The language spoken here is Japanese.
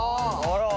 あら。